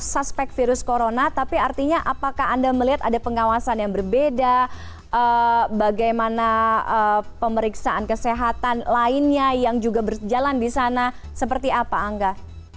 suspek virus corona tapi artinya apakah anda melihat ada pengawasan yang berbeda bagaimana pemeriksaan kesehatan lainnya yang juga berjalan di sana seperti apa angga